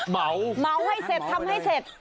เหมาเหมาให้เสร็จทำให้เสร็จ